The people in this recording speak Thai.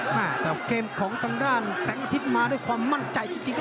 แต่เกมของทางด้านแสงอาทิตย์มาด้วยความมั่นใจจริงครับ